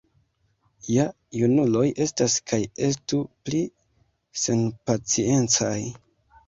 Ja junuloj estas kaj estu pli senpaciencaj.